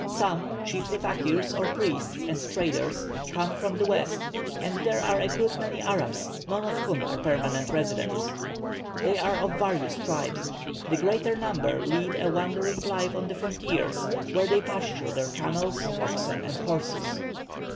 Some, chiefly fakeers or priests and traders, come from the west, and there are a good many Arabs, none of whom are permanent residents. They are of various tribes; the greater number lead a wandering life on the frontiers, where they pasture their camels, oxen, and horses.